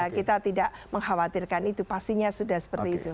kita tidak mengkhawatirkan itu pastinya sudah seperti itu